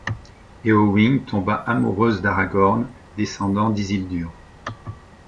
Éowyn tomba amoureuse d'Aragorn, descendant d'Isildur.